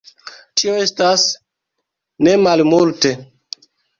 Tio estas nemalmulte.